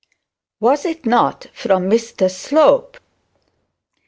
'Was it not from Mr Slope?'